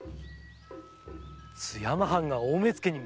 津山藩が大目付に賄を？